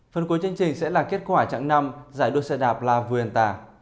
phần cuối chương trình sẽ là kết quả trạng năm giải đua xe đạp la fuenta